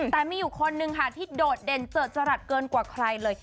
แต่มีอยู่คนนึงค่ะที่โดดเด่นเจิดจรัสเกินกว่าใครเลย